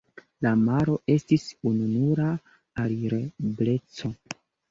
La maro estis la ununura alirebleco.